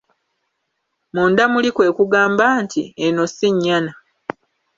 Munda muli kwe kugamba nti: "Eno si nnyana".